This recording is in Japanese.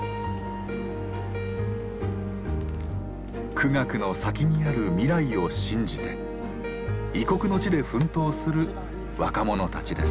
苦学の先にある未来を信じて異国の地で奮闘する若者たちです。